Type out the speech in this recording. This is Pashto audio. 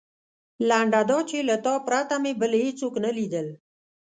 لنډه دا چې له تا پرته مې بل هېڅوک نه لیدل.